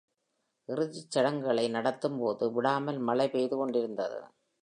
இறுதித் சடங்குகளை நடத்தும்போது, விடாமல் மழை பெய்து கொண்டிருந்தது.